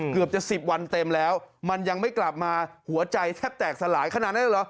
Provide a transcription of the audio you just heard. เกือบจะ๑๐วันเต็มแล้วมันยังไม่กลับมาหัวใจแทบแตกสลายขนาดนั้นเหรอ